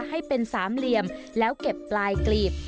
ให้เป็นสามเหลี่ยมแล้วเก็บปลายกลีบ